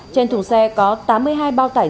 trên thùng xe có tám mươi hai bao tải